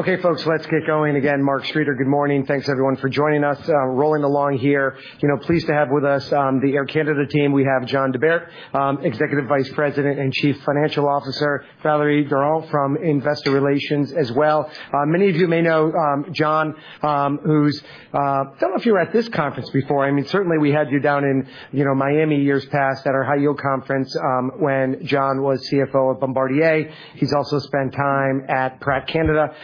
Okay, folks, let's get going again. Mark Streeter. Good morning. Thanks, everyone, for joining us. Rolling along here. You know, pleased to have with us, the Air Canada team. We have John Di Bert, Executive Vice President and Chief Financial Officer, Valerie Durand from Investor Relations as well. Many of you may know, John, who's, don't know if you were at this conference before. I mean, certainly we had you down in, you know, Miami, years past at our high yield conference, when John was CFO of Bombardier. He's also spent time at Pratt Canada,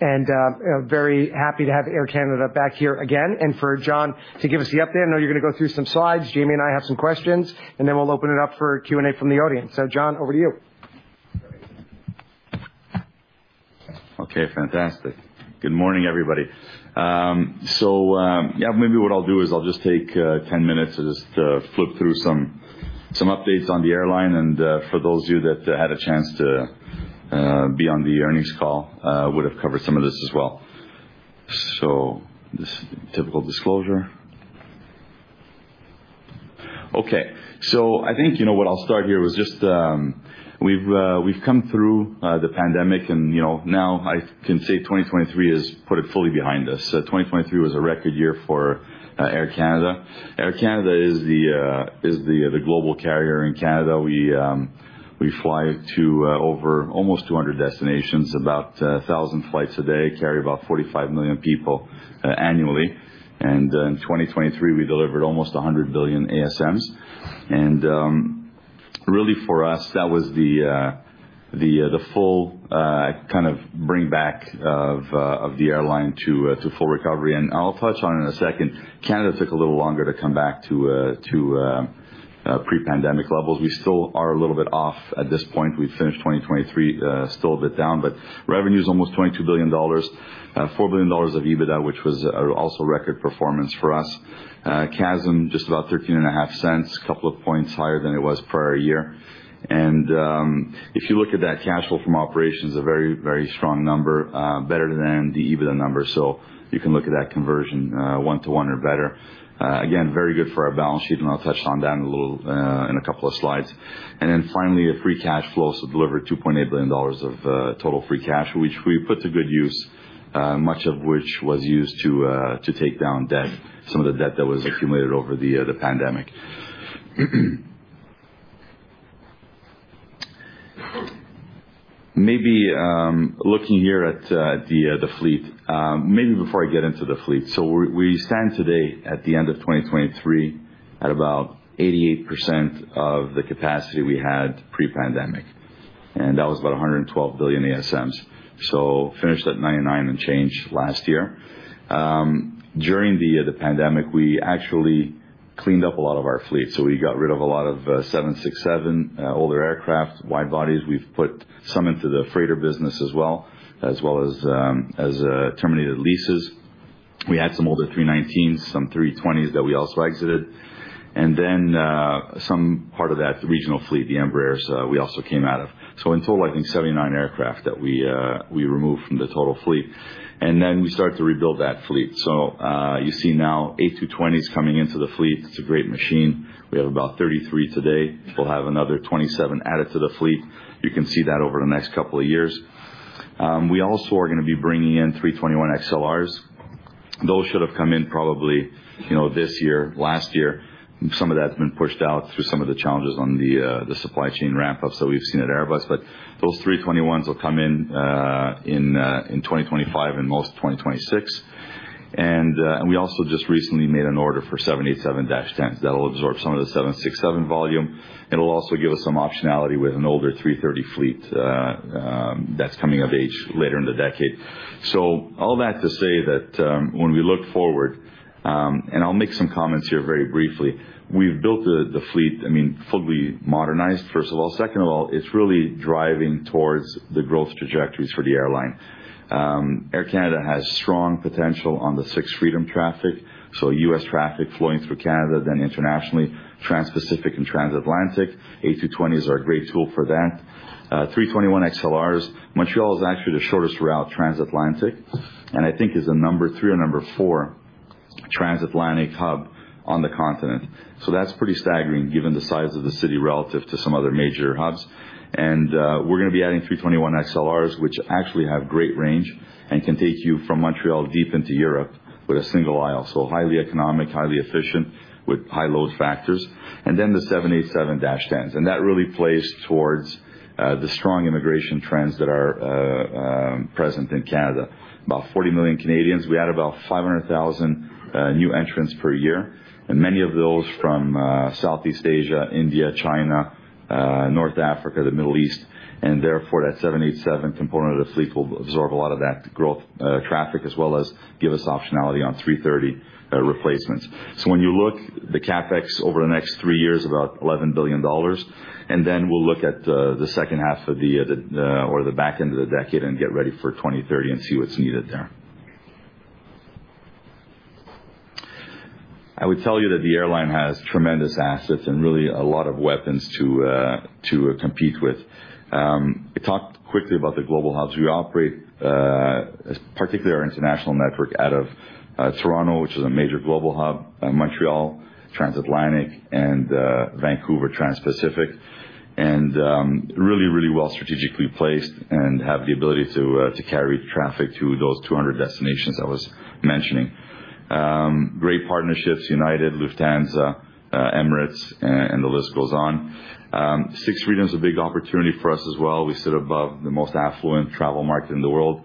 and, very happy to have Air Canada back here again, and for John to give us the update. I know you're going to go through some slides. Jamie and I have some questions, and then we'll open it up for Q&A from the audience. So, John, over to you. Okay, fantastic. Good morning, everybody. So, yeah, maybe what I'll do is I'll just take 10 minutes to just flip through some updates on the airline, and for those of you that had a chance to be on the earnings call, would have covered some of this as well. So this typical disclosure. Okay, so I think you know what I'll start here was just, we've come through the pandemic and, you know, now I can say 2023 is put it fully behind us. So 2023 was a record year for Air Canada. Air Canada is the global carrier in Canada. We fly to over almost 200 destinations, about 1,000 flights a day, carry about 45 million people annually. In 2023, we delivered almost 100 billion ASMs. Really, for us, that was the full kind of bring back of the airline to full recovery. I'll touch on in a second. Canada took a little longer to come back to pre-pandemic levels. We still are a little bit off at this point. We finished 2023, still a bit down, but revenue is almost $ 22 billion, $ 4 billion of EBITDA, which was also record performance for us. CASM, just about $ 0.135, a couple of points higher than it was prior year. If you look at that, cash flow from operations, a very, very strong number, better than the EBITDA number. So you can look at that conversion, 1-to-1 or better. Again, very good for our balance sheet, and I'll touch on that a little, in a couple of slides. And then finally, a free cash flow. So delivered $ 2 billion of total free cash, which we put to good use, much of which was used to take down debt, some of the debt that was accumulated over the pandemic. Maybe looking here at the fleet. Maybe before I get into the fleet. So we stand today at the end of 2023, at about 88% of the capacity we had pre-pandemic, and that was about 112 billion ASMs. So finished at 99 and change last year. During the pandemic, we actually cleaned up a lot of our fleet, so we got rid of a lot of 767 older aircraft, wide bodies. We've put some into the freighter business as well as terminated leases. We had some older 319s, some 320s that we also exited, and then some part of that regional fleet, the Embraers, we also came out of. So in total, I think 79 aircraft that we removed from the total fleet, and then we started to rebuild that fleet. So you see now A220s coming into the fleet. It's a great machine. We have about 33 today. We'll have another 27 added to the fleet. You can see that over the next couple of years. We also are going to be bringing in A321 XLRs. Those should have come in probably, you know, this year, last year. Some of that's been pushed out through some of the challenges on the supply chain ramp-up so we've seen at Airbus. But those 321s will come in in 2025 and most of 2026. And we also just recently made an order for 787-10s. That'll absorb some of the 767 volume. It'll also give us some optionality with an older 330 fleet that's coming of age later in the decade. So all that to say that, when we look forward, and I'll make some comments here very briefly, we've built the fleet, I mean, fully modernized, first of all. Second of all, it's really driving towards the growth trajectories for the airline. Air Canada has strong potential on the Sixth Freedom traffic, so U.S. traffic flowing through Canada, then internationally, transpacific and transatlantic. A220 is our great tool for that. 321 XLRs. Montreal is actually the shortest route, transatlantic, and I think is a number 3 or number 4 transatlantic hub on the continent. So that's pretty staggering given the size of the city relative to some other major hubs. And, we're going to be adding 321 XLRs, which actually have great range and can take you from Montreal deep into Europe with a single aisle. So highly economic, highly efficient, with high load factors. And then the 787-10s, and that really plays towards, the strong immigration trends that are, present in Canada. About 40 million Canadians. We add about 500,000 new entrants per year, and many of those from Southeast Asia, India, China, North Africa, the Middle East, and therefore, that 787 component of the fleet will absorb a lot of that growth traffic, as well as give us optionality on 330 replacements. So when you look the CapEx over the next three years, about $ 11 billion, and then we'll look at the second half of the or the back end of the decade and get ready for 2030 and see what's needed there. I would tell you that the airline has tremendous assets and really a lot of weapons to compete with. I talked quickly about the global hubs. We operate particularly our international network out of Toronto, which is a major global hub, Montreal, transatlantic, and Vancouver, transpacific, and really really well strategically placed and have the ability to carry traffic to those 200 destinations I was mentioning. Great partnerships, United, Lufthansa, Emirates, and the list goes on. Sixth Freedom is a big opportunity for us as well. We sit above the most affluent travel market in the world,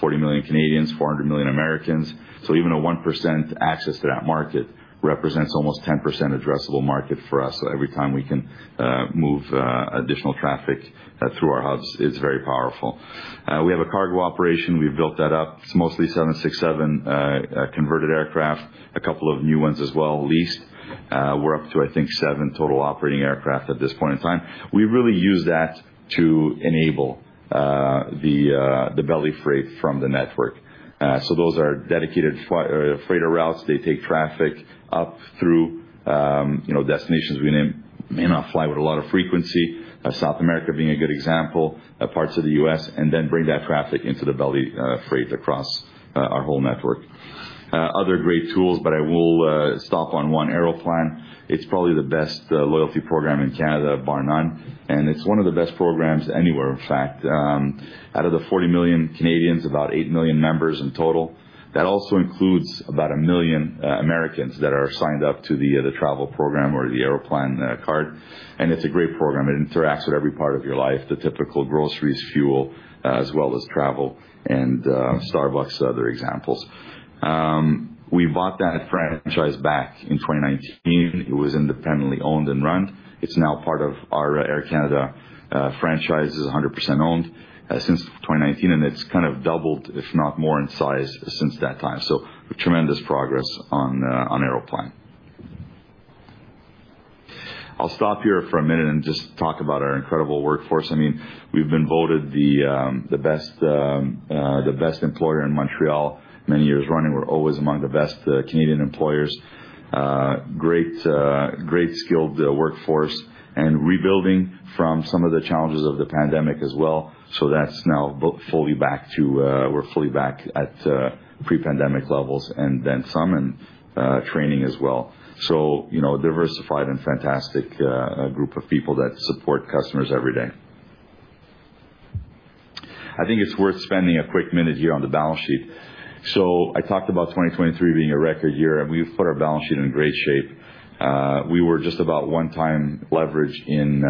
40 million Canadians, 400 million Americans. So even a 1% access to that market represents almost 10% addressable market for us. So every time we can move additional traffic through our hubs, it's very powerful. We have a cargo operation. We've built that up. It's mostly 767 converted aircraft, a couple of new ones as well, leased. We're up to, I think, seven total operating aircraft at this point in time. We really use that to enable the belly freight from the network. Those are dedicated freighter routes. They take traffic up through, you know, destinations we may not fly with a lot of frequency, South America being a good example, of parts of the U.S., and then bring that traffic into the belly freight across our whole network. Other great tools, but I will stop on one Aeroplan. It's probably the best loyalty program in Canada, bar none, and it's one of the best programs anywhere, in fact. Out of the 40 million Canadians, about 8 million members in total, that also includes about 1 million Americans that are signed up to the travel program or the Aeroplan card. And it's a great program. It interacts with every part of your life, the typical groceries, fuel, as well as travel, and Starbucks, other examples. We bought that franchise back in 2019. It was independently owned and run. It's now part of our Air Canada franchise. It's 100% owned since 2019, and it's kind of doubled, if not more, in size since that time. So tremendous progress on Aeroplan. I'll stop here for a minute and just talk about our incredible workforce. I mean, we've been voted the best employer in Montreal many years running. We're always among the best Canadian employers. Great skilled workforce and rebuilding from some of the challenges of the pandemic as well. So that's now built fully back to... We're fully back at pre-pandemic levels and then some in training as well. So, you know, diversified and fantastic group of people that support customers every day. I think it's worth spending a quick minute here on the balance sheet. So I talked about 2023 being a record year, and we've put our balance sheet in great shape. We were just about 1x leverage in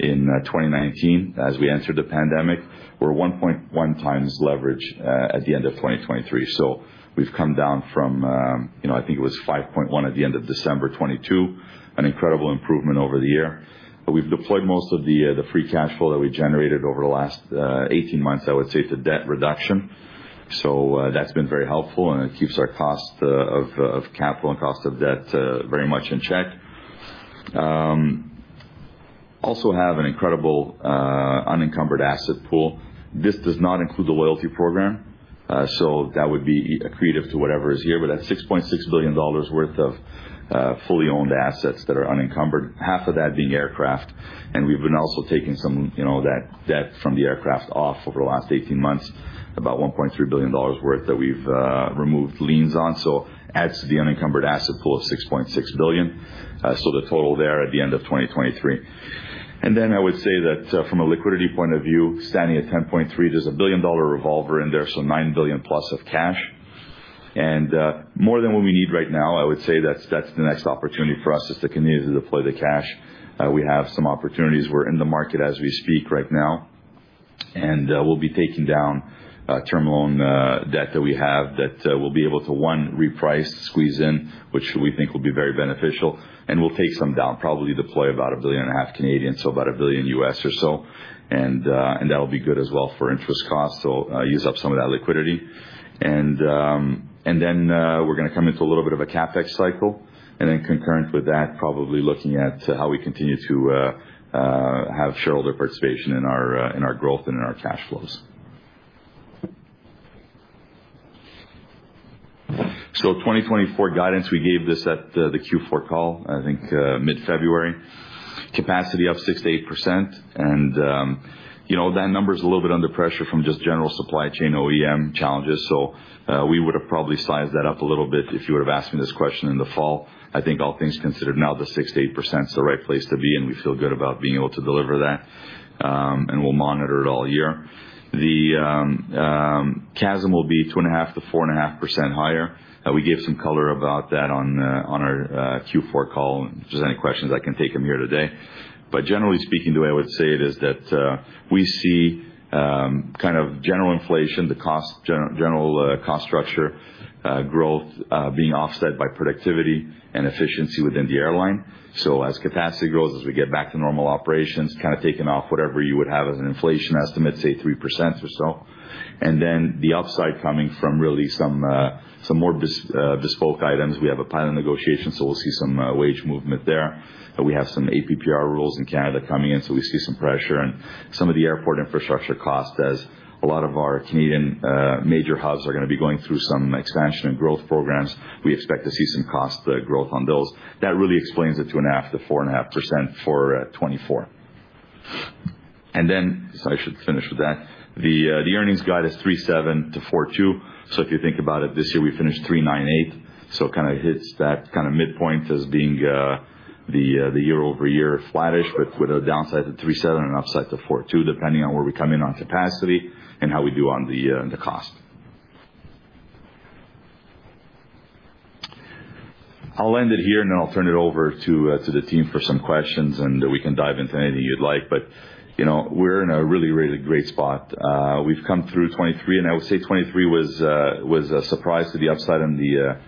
2019 as we entered the pandemic. We're 1.1x leverage at the end of 2023. So we've come down from, you know, I think it was 5.1 at the end of December 2022, an incredible improvement over the year. But we've deployed most of the free cash flow that we generated over the last 18 months, I would say, to debt reduction. So, that's been very helpful, and it keeps our cost of capital and cost of debt very much in check. Also have an incredible unencumbered asset pool. This does not include the loyalty program, so that would be accretive to whatever is here. But that's $ 6.6 billion worth of fully owned assets that are unencumbered, half of that being aircraft. We've been also taking some, you know, that debt from the aircraft off over the last 18 months, about $ 1.3 billion worth that we've removed liens on. So adds to the unencumbered asset pool of $ 6.6 billion. So the total there at the end of 2023. And then I would say that, from a liquidity point of view, standing at 10.3, there's a billion-dollar revolver in there, so $ 9 billion plus of cash. And, more than what we need right now, I would say that's, that's the next opportunity for us, is to continue to deploy the cash. We have some opportunities. We're in the market as we speak right now, and we'll be taking down term loan debt that we have that we'll be able to, one, reprice, squeeze in, which we think will be very beneficial, and we'll take some down, probably deploy about $ 1.5 billion, so about $1 billion or so. And that'll be good as well for interest costs, so use up some of that liquidity. And then we're going to come into a little bit of a CapEx cycle, and then concurrent with that, probably looking at how we continue to have shareholder participation in our growth and in our cash flows. So 2024 guidance, we gave this at the Q4 call, I think, mid-February. Capacity up 6%-8%, and, you know, that number is a little bit under pressure from just general supply chain OEM challenges. So, we would have probably sized that up a little bit if you would have asked me this question in the fall. I think all things considered, now the 6%-8% is the right place to be, and we feel good about being able to deliver that, and we'll monitor it all year. The CASM will be 2.5%-4.5% higher. We gave some color about that on our Q4 call. And if there's any questions, I can take them here today. But generally speaking, the way I would say it is that we see kind of general inflation, the cost, general cost structure growth being offset by productivity and efficiency within the airline. So as capacity grows, as we get back to normal operations, kind of taking off whatever you would have as an inflation estimate, say 3% or so, and then the upside coming from really some more bespoke items. We have a pilot negotiation, so we'll see some wage movement there. But we have some APPR rules in Canada coming in, so we see some pressure and some of the airport infrastructure costs, as a lot of our Canadian major hubs are going to be going through some expansion and growth programs. We expect to see some cost growth on those. That really explains the 2.5%-4.5% for 2024. I should finish with that. The earnings guide is $ 3.7-$ 4.2. So if you think about it, this year we finished $ 3.98. So it kind of hits that kind of midpoint as being the year-over-year flattish, but with a downside to $ 3.7 and an upside to $ 4.2, depending on where we come in on capacity and how we do on the cost. I'll end it here, and then I'll turn it over to the team for some questions, and we can dive into anything you'd like. But you know, we're in a really, really great spot. We've come through 2023, and I would say 2023 was a surprise to the upside on the...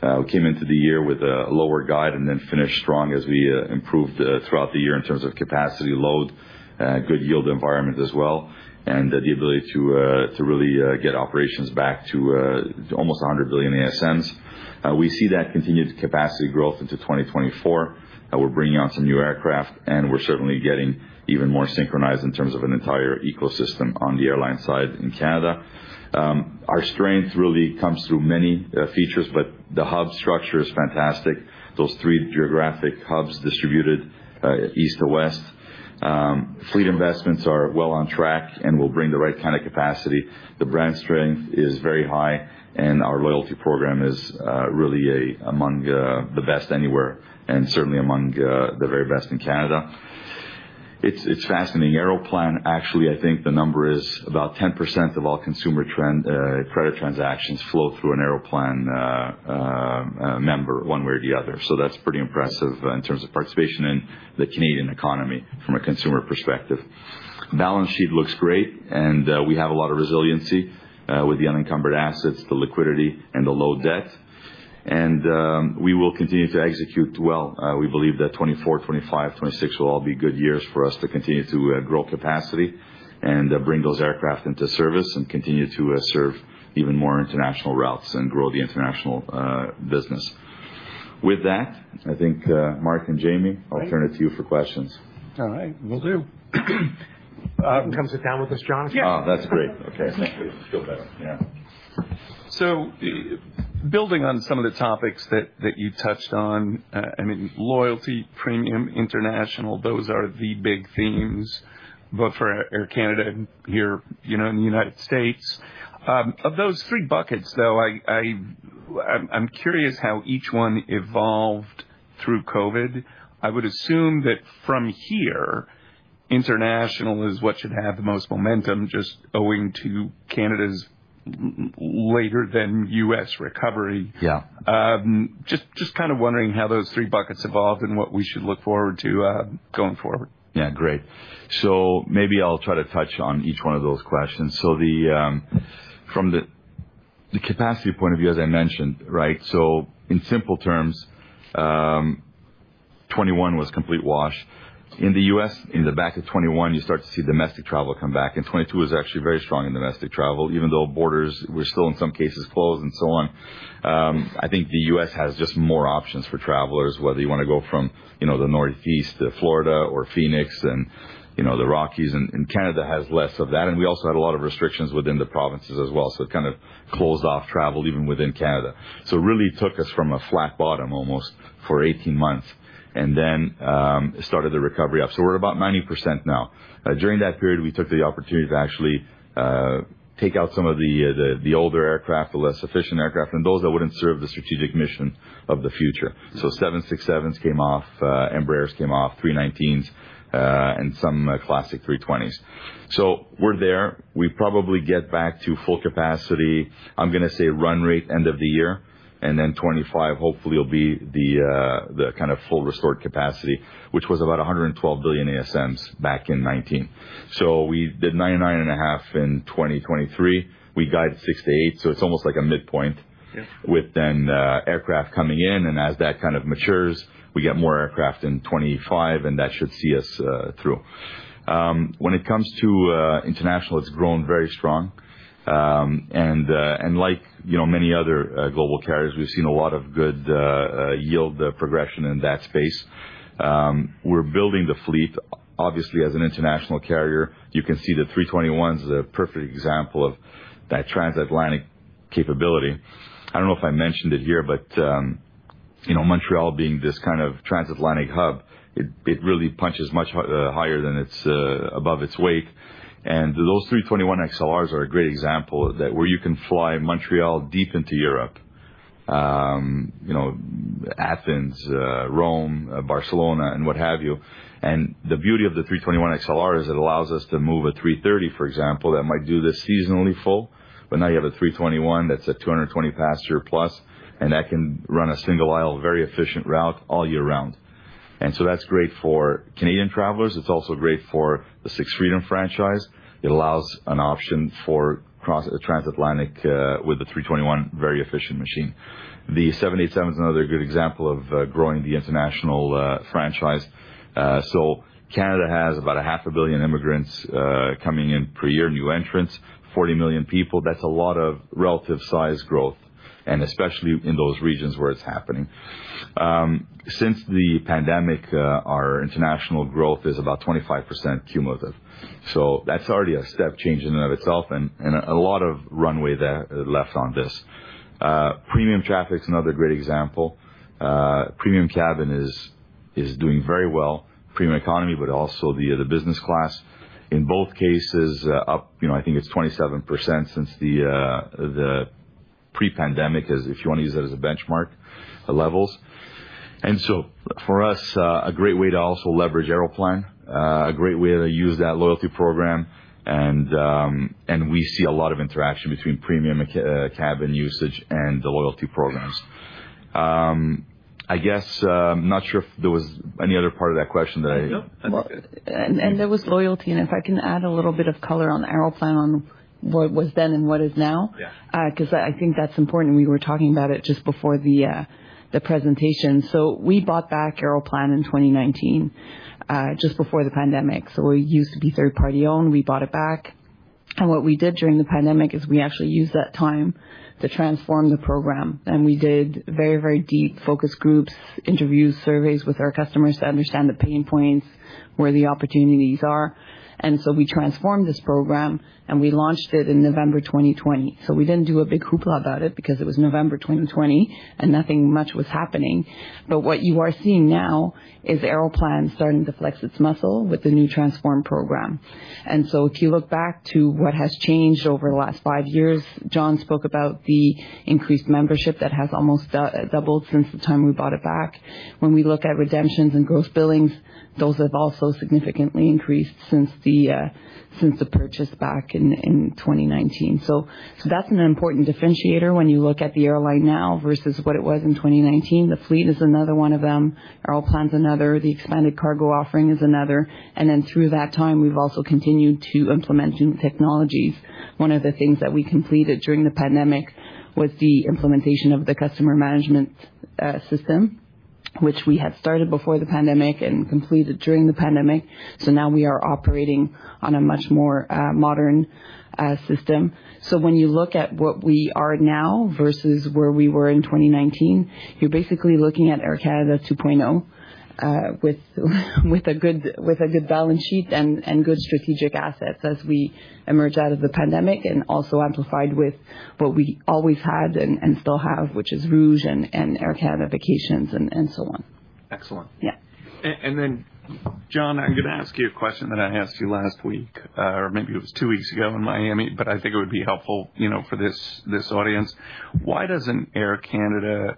We came into the year with a lower guide and then finished strong as we improved throughout the year in terms of capacity load, good yield environment as well, and the ability to really get operations back to almost 100 billion ASMs. We see that continued capacity growth into 2024, and we're bringing on some new aircraft, and we're certainly getting even more synchronized in terms of an entire ecosystem on the airline side in Canada. Our strength really comes through many features, but the hub structure is fantastic. Those three geographic hubs distributed east to west. Fleet investments are well on track and will bring the right kind of capacity. The brand strength is very high, and our loyalty program is really a, among the best anywhere, and certainly among the very best in Canada. It's fascinating. Aeroplan, actually, I think the number is about 10% of all consumer credit transactions flow through an Aeroplan member, one way or the other. So that's pretty impressive in terms of participation in the Canadian economy from a consumer perspective. Balance sheet looks great, and we have a lot of resiliency with the unencumbered assets, the liquidity, and the low debt. We will continue to execute well. We believe that 2024, 2025, 2026 will all be good years for us to continue to grow capacity and bring those aircraft into service and continue to serve even more international routes and grow the international business. With that, I think, Mark and Jamie, I'll turn it to you for questions. All right, will do. Come sit down with us, John? Yeah. Oh, that's great. Okay. Thank you. Feel better, yeah. So building on some of the topics that you touched on, I mean, loyalty, premium, international, those are the big themes both for Air Canada and here, you know, in the United States. Of those three buckets, though, I'm curious how each one evolved through COVID. I would assume that from here, international is what should have the most momentum, just owing to Canada's later than U.S. recovery. Yeah. Just kind of wondering how those three buckets evolved and what we should look forward to, going forward? Yeah, great. So maybe I'll try to touch on each one of those questions. So from the capacity point of view, as I mentioned, right? So in simple terms, 2021 was complete wash. In the U.S., in the back of 2021, you start to see domestic travel come back, and 2022 is actually very strong in domestic travel, even though borders were still, in some cases, closed and so on. I think the U.S. has just more options for travelers, whether you want to go from, you know, the Northeast to Florida or Phoenix and, you know, the Rockies, and Canada has less of that. And we also had a lot of restrictions within the provinces as well, so it kind of closed off travel even within Canada. So it really took us from a flat bottom, almost, for 18 months, and then started the recovery up. So we're about 90% now. During that period, we took the opportunity to actually take out some of the the older aircraft, the less efficient aircraft, and those that wouldn't serve the strategic mission of the future. So 767s came off, Embraers came off, 319s, and some classic 320s. So we're there. We probably get back to full capacity, I'm going to say run rate, end of the year, and then 2025, hopefully, will be the the kind of full restored capacity, which was about 112 billion ASMs back in 2019. So we did 99.5 in 2023. We guided 6-8, so it's almost like a midpoint- Yes. With then aircraft coming in, and as that kind of matures, we get more aircraft in 25, and that should see us through. When it comes to international, it's grown very strong. And like, you know, many other global carriers, we've seen a lot of good yield progression in that space. We're building the fleet, obviously, as an international carrier. You can see the 321 is a perfect example of that transatlantic capability. I don't know if I mentioned it here, but you know, Montreal being this kind of transatlantic hub, it really punches much higher than its above its weight. And those 321 XLRs are a great example of that, where you can fly Montreal deep into Europe, you know, Athens, Rome, Barcelona, and what have you. The beauty of the A321 XLR is it allows us to move an A330, for example, that might do this seasonally full, but now you have an A321 that's a 220-passenger plus, and that can run a single aisle, very efficient route all year round. That's great for Canadian travelers. It's also great for the Sixth Freedom franchise. It allows an option for cross transatlantic with the A321, very efficient machine. The 787 is another good example of growing the international franchise. So Canada has about 500 million immigrants coming in per year, new entrants, 40 million people. That's a lot of relative size growth, and especially in those regions where it's happening. Since the pandemic, our international growth is about 25% cumulative. So that's already a step change in and of itself and a lot of runway there left on this. Premium traffic is another great example. Premium cabin is doing very well, premium economy, but also the business class. In both cases, up, you know, I think it's 27% since the pre-pandemic, as if you want to use that as a benchmark, the levels. And so for us, a great way to also leverage Aeroplan, a great way to use that loyalty program, and we see a lot of interaction between premium and cabin usage and the loyalty programs. I guess, I'm not sure if there was any other part of that question that I- No. Well, and there was loyalty. If I can add a little bit of color on the Aeroplan, on what was then and what is now? Yeah. 'Cause I think that's important, and we were talking about it just before the presentation. So we bought back Aeroplan in 2019, just before the pandemic. So it used to be third-party owned, we bought it back, and what we did during the pandemic is we actually used that time to transform the program, and we did very, very deep focus groups, interviews, surveys with our customers to understand the pain points, where the opportunities are. And so we transformed this program, and we launched it in November 2020. So we didn't do a big hoopla about it because it was November 2020, and nothing much was happening. But what you are seeing now is Aeroplan starting to flex its muscle with the new transformed program. And so if you look back to what has changed over the last five years, John spoke about the increased membership that has almost doubled since the time we bought it back. When we look at redemptions and gross billings, those have also significantly increased since the purchase back in 2019. So that's an important differentiator when you look at the airline now versus what it was in 2019. The fleet is another one of them, Aeroplan's another, the expanded cargo offering is another, and then through that time, we've also continued to implement new technologies. One of the things that we completed during the pandemic was the implementation of the customer management system, which we had started before the pandemic and completed during the pandemic. So now we are operating on a much more modern system. So when you look at what we are now versus where we were in 2019, you're basically looking at Air Canada 2.0, with a good balance sheet and good strategic assets as we emerge out of the pandemic, and also amplified with what we always had and still have, which is Rouge and Air Canada Vacations and so on. Excellent. Yeah. Then, John, I'm gonna ask you a question that I asked you last week, or maybe it was two weeks ago in Miami, but I think it would be helpful, you know, for this audience. Why doesn't Air Canada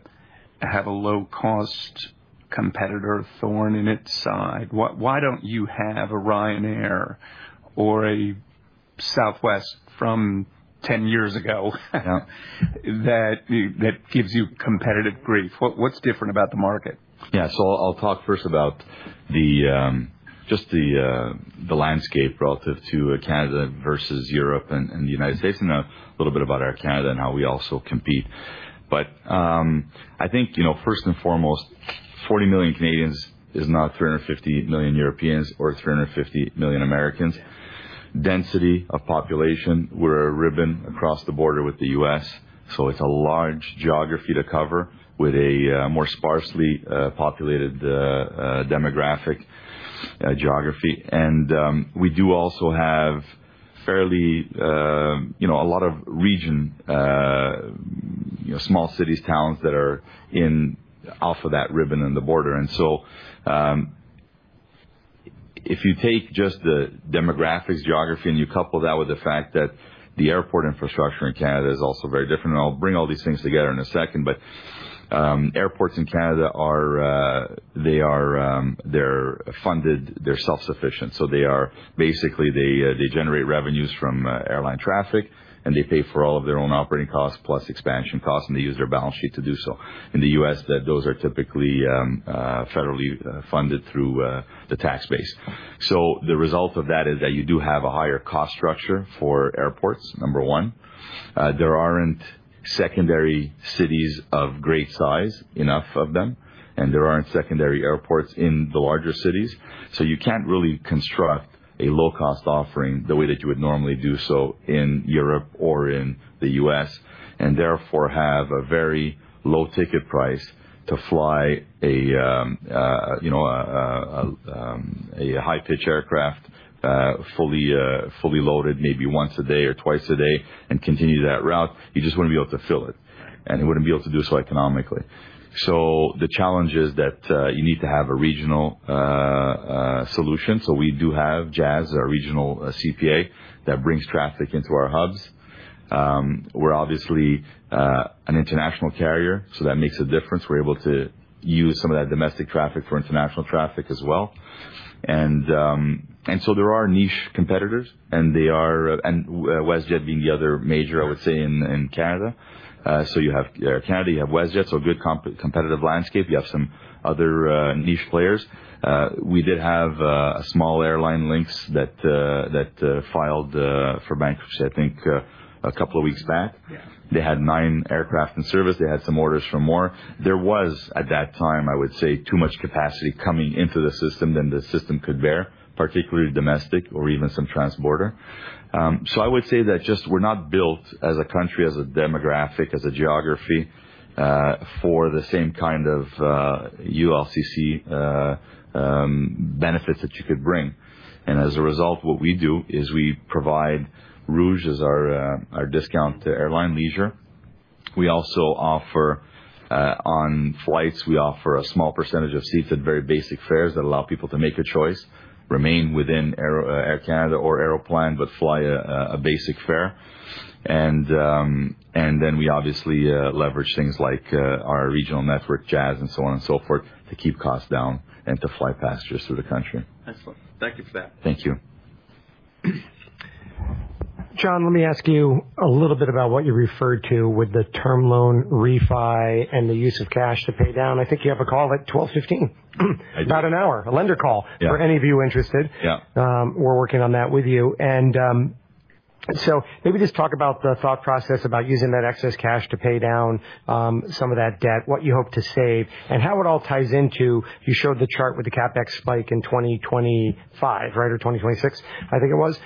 have a low-cost competitor thorn in its side? Why don't you have a Ryanair or a Southwest from 10 years ago that gives you competitive grief? What's different about the market? Yeah. So I'll talk first about the just the landscape relative to Canada versus Europe and the United States, and a little bit about Air Canada and how we also compete. But, I think, you know, first and foremost, 40 million Canadians is not 350 million Europeans or 350 million Americans. Density of population, we're a ribbon across the border with the U.S., so it's a large geography to cover with a more sparsely populated demographic geography. And, we do also have fairly, you know, a lot of region, you know, small cities, towns that are in off of that ribbon in the border. And so, if you take just the demographics, geography, and you couple that with the fact that the airport infrastructure in Canada is also very different, and I'll bring all these things together in a second, but, airports in Canada are, they are, they're funded, they're self-sufficient. So they are—basically, they, they generate revenues from, airline traffic, and they pay for all of their own operating costs plus expansion costs, and they use their balance sheet to do so. In the U.S., that—those are typically, federally funded through, the tax base. So the result of that is that you do have a higher cost structure for airports, number one. There aren't secondary cities of great size, enough of them, and there aren't secondary airports in the larger cities, so you can't really construct a low-cost offering the way that you would normally do so in Europe or in the U.S., and therefore, have a very low ticket price to fly a, you know, high-pitch aircraft fully loaded, maybe once a day or twice a day, and continue that route. You just wouldn't be able to fill it, and you wouldn't be able to do so economically. The challenge is that you need to have a regional solution. We do have Jazz, our regional CPA, that brings traffic into our hubs. We're obviously an international carrier, so that makes a difference. We're able to use some of that domestic traffic for international traffic as well. And so there are niche competitors, WestJet being the other major, I would say, in Canada. So you have Air Canada, you have WestJet, so good competitive landscape. You have some other niche players. We did have a small airline, Lynx, that filed for bankruptcy, I think, a couple of weeks back. Yeah. They had nine aircraft in service. They had some orders for more. There was, at that time, I would say, too much capacity coming into the system than the system could bear, particularly domestic or even some transborder. So I would say that just we're not built as a country, as a demographic, as a geography, for the same kind of, ULCC, benefits that you could bring. And as a result, what we do is we provide Rouge as our, our discount to airline leisure. We also offer, on flights, we offer a small percentage of seats at very basic fares that allow people to make a choice, remain within Aero, Air Canada or Aeroplan, but fly a, a basic fare. And then we obviously leverage things like our regional network, Jazz, and so on and so forth, to keep costs down and to fly passengers through the country. Excellent. Thank you for that. Thank you. John, let me ask you a little bit about what you referred to with the term loan refi and the use of cash to pay down. I think you have a call at 12:15 P.M. I do. About an hour, a lender call- Yeah. for any of you interested. Yeah. We're working on that with you. And, so maybe just talk about the thought process about using that excess cash to pay down some of that debt, what you hope to save and how it all ties into. You showed the chart with the CapEx spike in 2025, right? Or 2026, I think it was,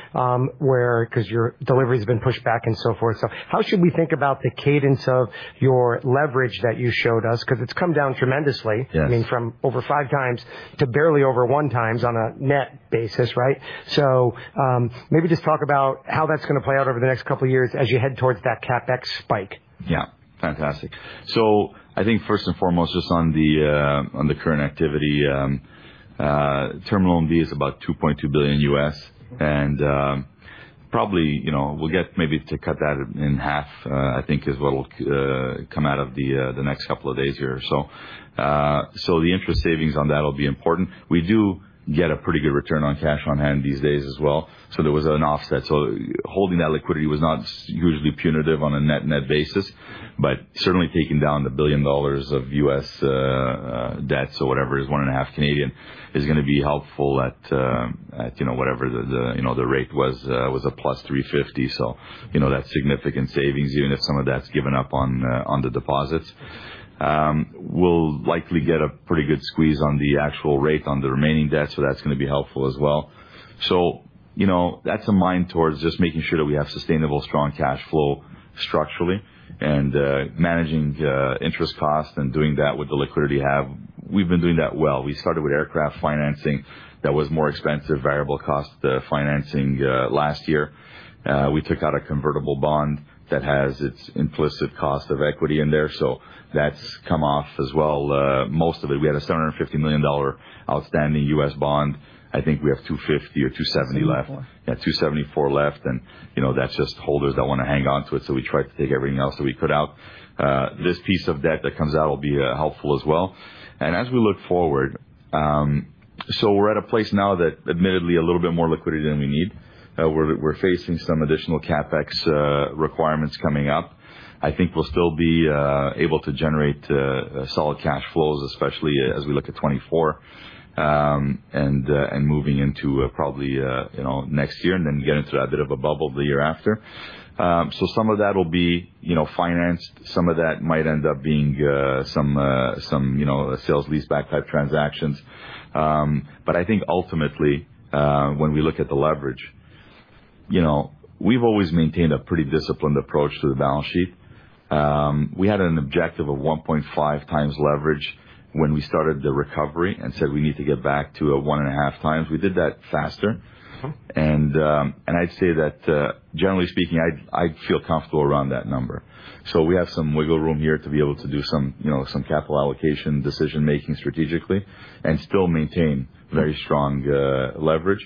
where 'cause your delivery has been pushed back and so forth. So how should we think about the $ence of your leverage that you showed us? 'Cause it's come down tremendously. Yes. I mean, from over 5 times to barely over 1 times on a net basis, right? So, maybe just talk about how that's gonna play out over the next couple of years as you head towards that CapEx spike. Yeah. Fantastic. So I think first and foremost, just on the current activity, Term Loan B is about $2.2 billion. And, probably, you know, we'll get maybe to cut that in half, I think, is what will come out of the next couple of days here or so. So the interest savings on that will be important. We do get a pretty good return on cash on hand these days as well, so there was an offset. So holding that liquidity was not usually punitive on a net-net basis, but certainly taking down the $1 billion of US debts or whatever, is $ 1.5 billion, is gonna be helpful at, you know, whatever the, you know, the rate was +350. So, you know, that's significant savings, even if some of that's given up on, on the deposits. We'll likely get a pretty good squeeze on the actual rate on the remaining debt, so that's gonna be helpful as well. So, you know, that's a mind towards just making sure that we have sustainable, strong cash flow structurally, and, managing, interest costs and doing that with the liquidity we have. We've been doing that well. We started with aircraft financing that was more expensive, variable cost, financing, last year. We took out a convertible bond that has its implicit cost of equity in there, so that's come off as well, most of it. We had a $750 million outstanding U.S. bond. I think we have $250 million or $270 million left. 274 left, and, you know, that's just holders that want to hang on to it, so we try to take everything else that we could out. This piece of debt that comes out will be helpful as well. And as we look forward, so we're at a place now that admittedly a little bit more liquidity than we need. We're facing some additional CapEx requirements coming up. I think we'll still be able to generate solid cash flows, especially as we look at 2024, and moving into, probably, you know, next year, and then get into a bit of a bubble the year after. So some of that will be, you know, financed. Some of that might end up being some sales leaseback type transactions. But I think ultimately, when we look at the leverage, you know, we've always maintained a pretty disciplined approach to the balance sheet. We had an objective of 1.5 times leverage when we started the recovery and said, "We need to get back to a 1.5 times." We did that faster. Mm-hmm. I'd say that, generally speaking, I'd feel comfortable around that number. So we have some wiggle room here to be able to do some, you know, some capital allocation, decision-making strategically and still maintain very strong leverage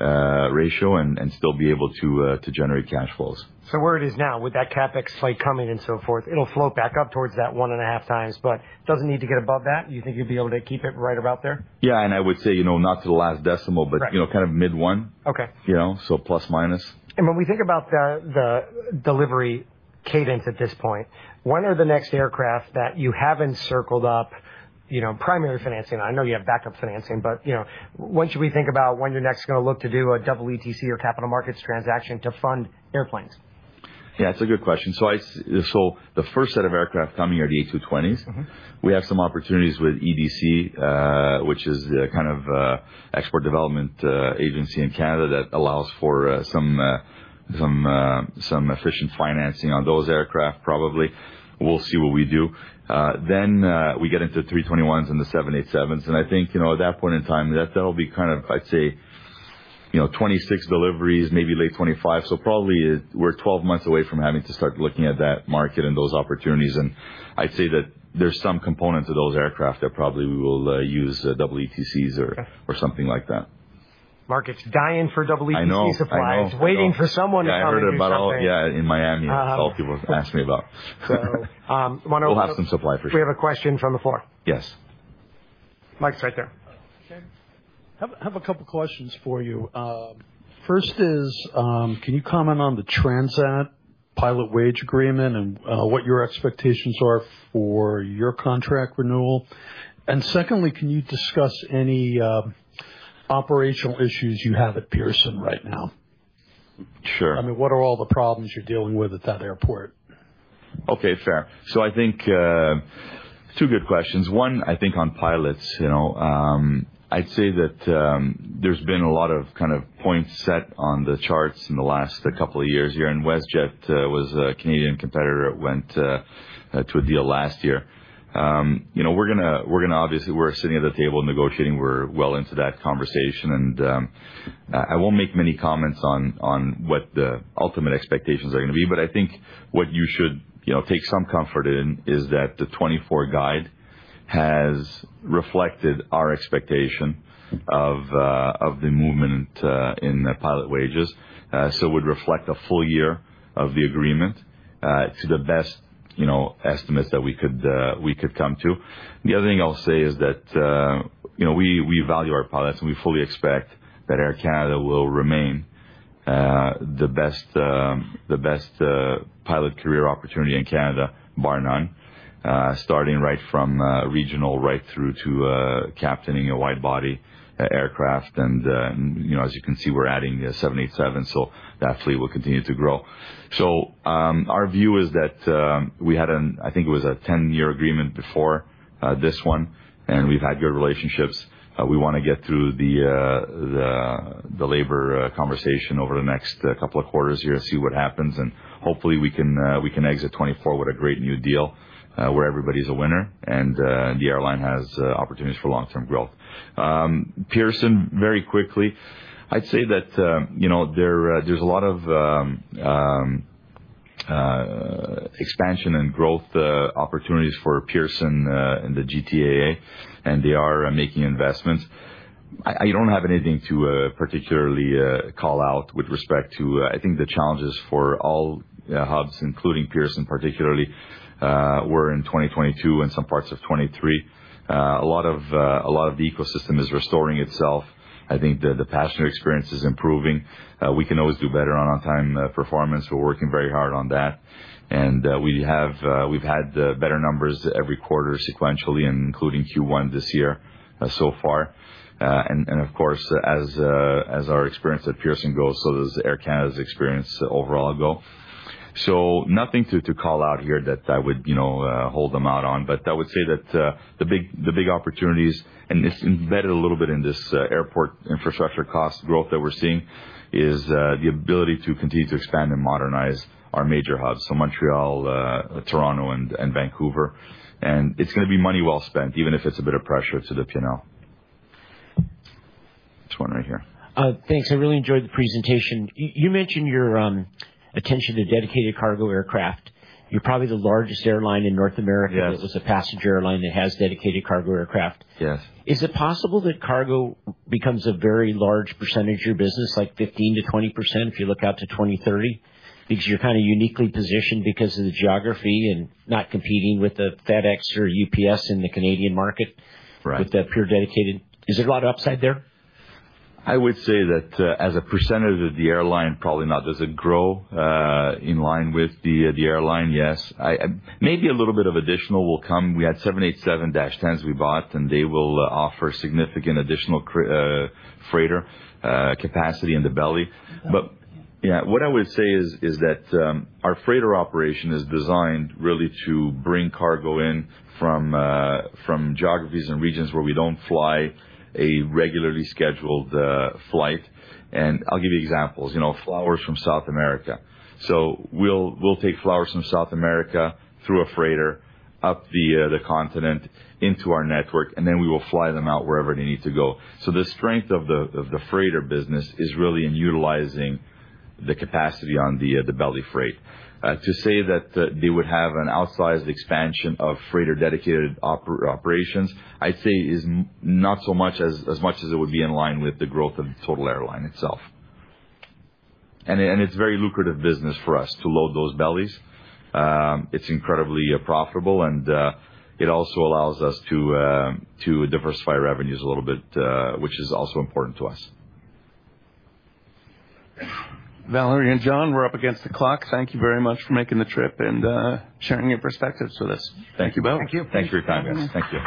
ratio and still be able to generate cash flows. So where it is now, with that CapEx site coming and so forth, it'll float back up towards that 1.5x, but doesn't need to get above that? You think you'd be able to keep it right about there? Yeah, and I would say, you know, not to the last decimal- Right. But, you know, kind of mid one. Okay. You know, so plus, minus. When we think about the delivery $ence at this point, when are the next aircraft that you haven't circled up, you know, primary financing? I know you have backup financing, but, you know, when should we think about when you're next gonna look to do a WETC or capital markets transaction to fund airplanes? Yeah, it's a good question. So the first set of aircraft coming are the A220s. Mm-hmm. We have some opportunities with EDC, which is the kind of export development agency in Canada that allows for some efficient financing on those aircraft, probably. We'll see what we do. Then, we get into 321s and the 787s, and I think, you know, at that point in time, that, that'll be kind of, I'd say, you know, 26 deliveries, maybe late 2025. So probably we're 12 months away from having to start looking at that market and those opportunities. And I'd say that there's some component to those aircraft that probably we will use WETCs or- Okay. or something like that. Market's dying for WETCs supplies. I know. I know. Waiting for someone to come and do something. Yeah, I heard about all, yeah, in Miami. Uh. All people were asking me about. So, want to- We'll have some supply for sure. We have a question from the floor. Yes. Mike's right there. James, have a couple questions for you. First is, can you comment on the Transat pilot wage agreement and what your expectations are for your contract renewal? And secondly, can you discuss any operational issues you have at Pearson right now? Sure. I mean, what are all the problems you're dealing with at that airport?... Okay, fair. So I think, two good questions. One, I think on pilots, you know, I'd say that, there's been a lot of kind of points set on the charts in the last couple of years here, and WestJet was a Canadian competitor that went, to a deal last year. You know, we're gonna, we're gonna obviously, we're sitting at the table negotiating. We're well into that conversation, and, I, I won't make many comments on, on what the ultimate expectations are gonna be, but I think what you should, you know, take some comfort in is that the 2024 guide has reflected our expectation of, of the movement, in pilot wages. So would reflect a full year of the agreement, to the best, you know, estimates that we could, we could come to. The other thing I'll say is that, you know, we value our pilots, and we fully expect that Air Canada will remain the best, the best pilot career opportunity in Canada, bar none. Starting right from regional right through to captaining a wide body aircraft. And, you know, as you can see, we're adding a 787, so that fleet will continue to grow. So, our view is that we had an... I think it was a 10-year agreement before this one, and we've had good relationships. We wanna get through the labor conversation over the next couple of quarters here and see what happens, and hopefully, we can exit 2024 with a great new deal, where everybody's a winner, and the airline has opportunities for long-term growth. Pearson, very quickly, I'd say that you know, there's a lot of expansion and growth opportunities for Pearson in the GTAA, and they are making investments. I don't have anything to particularly call out with respect to... I think the challenges for all hubs, including Pearson, particularly, were in 2022 and some parts of 2023. A lot of the ecosystem is restoring itself. I think the passenger experience is improving. We can always do better on on-time performance. We're working very hard on that, and we have, we've had better numbers every quarter sequentially, and including Q1 this year, so far. And of course, as our experience at Pearson goes, so does Air Canada's experience overall go. So nothing to call out here that I would, you know, hold them out on, but I would say that the big opportunities, and it's embedded a little bit in this airport infrastructure cost growth that we're seeing, is the ability to continue to expand and modernize our major hubs, so Montreal, Toronto, and Vancouver. And it's gonna be money well spent, even if it's a bit of pressure to the P&L. This one right here. Thanks. I really enjoyed the presentation. You mentioned your attention to dedicated cargo aircraft. You're probably the largest airline in North America- Yes. that is a passenger airline that has dedicated cargo aircraft. Yes. Is it possible that cargo becomes a very large percentage of your business, like 15%-20%, if you look out to 2030? Because you're kind of uniquely positioned because of the geography and not competing with the FedEx or UPS in the Canadian market- Right. with the pure dedicated. Is there a lot of upside there? I would say that, as a percentage of the airline, probably not. Does it grow in line with the airline? Yes. I maybe a little bit of additional will come. We had 787-10s we bought, and they will offer significant additional freighter capacity in the belly. But yeah, what I would say is that our freighter operation is designed really to bring cargo in from geographies and regions where we don't fly a regularly scheduled flight. And I'll give you examples, you know, flowers from South America. So we'll take flowers from South America through a freighter, up the continent into our network, and then we will fly them out wherever they need to go. So the strength of the freighter business is really in utilizing the capacity on the belly freight. To say that they would have an outsized expansion of freighter-dedicated operations, I'd say, is not so much as much as it would be in line with the growth of the total airline itself. And it's very lucrative business for us to load those bellies. It's incredibly profitable, and it also allows us to diversify revenues a little bit, which is also important to us. Valerie and John, we're up against the clock. Thank you very much for making the trip and sharing your perspectives with us. Thank you both. Thank you. Thanks for your time, guys. Thank you.